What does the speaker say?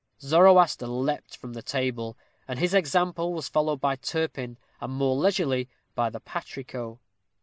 Zoroaster leaped from the table, and his example was followed by Turpin, and more leisurely by the patrico.